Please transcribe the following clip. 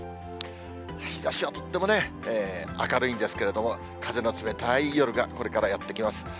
日ざしはとっても明るいんですけども、風の冷たい夜がこれからやって来ます。